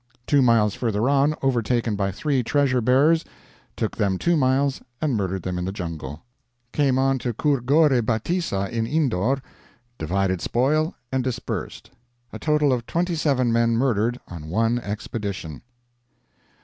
"Two miles further on, overtaken by three treasure bearers; took them two miles and murdered them in the jungle. "Came on to Khurgore Bateesa in Indore, divided spoil, and dispersed. "A total of 27 men murdered on one expedition."